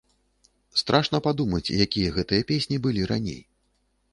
Страшна падумаць, якія гэтыя песні былі раней.